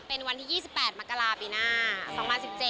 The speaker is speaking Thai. เป็นวันที่๒๘มกราปีหน้า๒๐๑๗